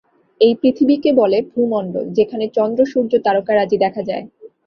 এই পৃথিবীকে বলে ভূমণ্ডল, যেখানে চন্দ্র, সূর্য, তারকারাজি দেখা যায়।